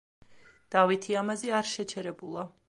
დავითი ამაზე არ შეჩერებულა.